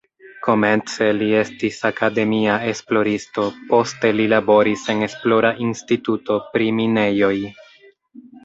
Komence li estis akademia esploristo, poste li laboris en esplora instituto pri minejoj.